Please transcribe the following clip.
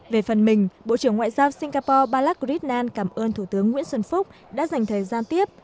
về phần mình bộ trưởng ngoại giao singapore balak gridnan cảm ơn thủ tướng nguyễn xuân phúc đã dành thời gian tiếp